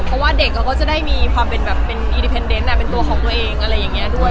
เพราะว่าเด็กเขาก็จะได้มีความเป็นตัวของตัวเองอะไรอย่างนี้ด้วย